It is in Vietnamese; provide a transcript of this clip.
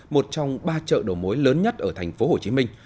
một trong ba chợ đồ mối lớn nhất ở thành phố hồ chí minh